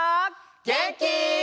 げんき？